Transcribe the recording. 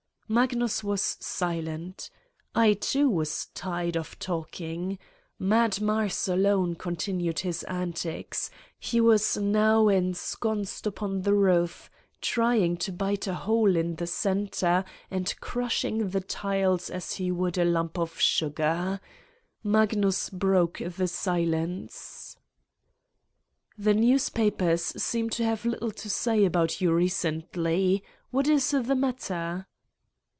Magnus was silent. I too was tired of talking. Mad Mars alone continued his antics : he was now ensconced upon the roof, trying to bite a hole in the center, and crushing the tiles as he would a lump of sugar. Magnus broke the silence: "The newspapers seem to have little to say about you recently. What is the matter